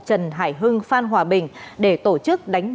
trần hải hưng phan hòa bình để tổ chức